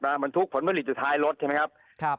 มันทุกขนผลิตจุดท้ายรถใช่ไหมครับ